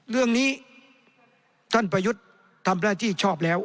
เรื่องนี้ท่านประยุทธ์ทำหน้าที่ชอบแล้ว